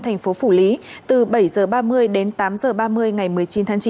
thành phố phủ lý từ bảy h ba mươi đến tám h ba mươi ngày một mươi chín tháng chín